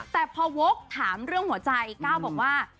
แต่พอวกถามเรื่องหัวใจก้าวบอกว่า